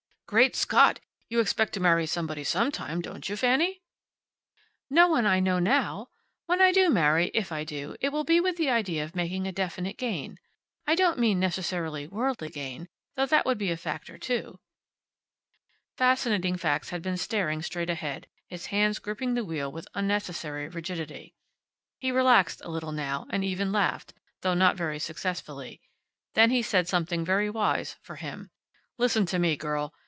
"Great Scott! You expect to marry somebody sometime, don't you, Fanny?" "No one I know now. When I do marry, if I do, it will be with the idea of making a definite gain. I don't mean necessarily worldly gain, though that would be a factor, too." Fascinating Facts had been staring straight ahead, his hands gripping the wheel with unnecessary rigidity. He relaxed a little now, and even laughed, though not very successfully. Then he said something very wise, for him. "Listen to me, girl.